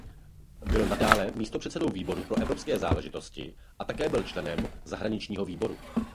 Byl nadále místopředsedou výboru pro evropské záležitosti a také byl členem zahraničního výboru.